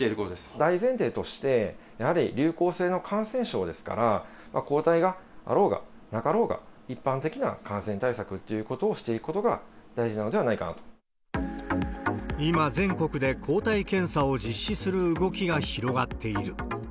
大前提として、やはり流行性の感染症ですから、抗体があろうがなかろうが、一般的な感染対策っていうことをしていくことが大事なのではない今、全国で抗体検査を実施する動きが広がっている。